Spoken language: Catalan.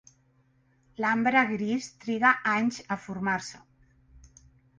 L'ambre gris triga anys a formar-se.